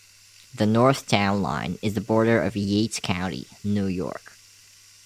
The north town line is the border of Yates County, New York.